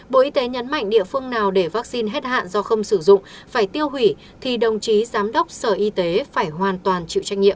bộ y tế nhấn mạnh địa phương nào để vaccine hết hạn do không sử dụng phải tiêu hủy thì đồng chí giám đốc sở y tế phải hoàn toàn chịu trách nhiệm